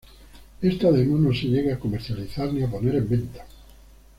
Esta demo no se llega a comercializar ni a poner en venta.